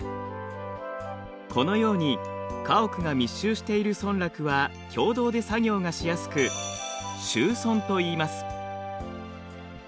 このように家屋が密集している村落は共同で作業がしやすく集村といいます。